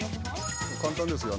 簡単ですよ